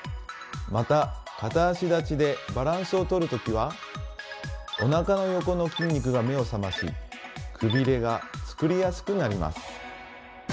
また片足立ちでバランスをとる時はおなかの横の筋肉が目を覚ましくびれが作りやすくなります。